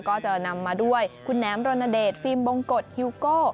ก็จะนำมาด้วยคุณแนมรณเดชฟิล์มบงกฎฮิวโก้